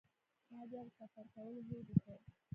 ما بیا د سفر کولو هوډ وکړ.